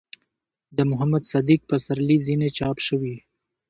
،د محمد صديق پسرلي ځينې چاپ شوي